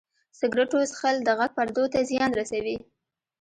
سګرټو څښل د غږ پردو ته زیان رسوي.